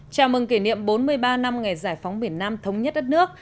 chào mừng kỷ niệm bốn mươi ba năm ngày giải phóng biển nam thống nhất đất nước